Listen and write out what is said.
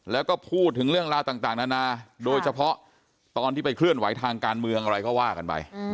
แล้วก็พูดถึงเรื่องราวต่างนานาโดยเฉพาะตอนที่ไปเคลื่อนไหวทางการเมืองอะไรก็ว่ากันไป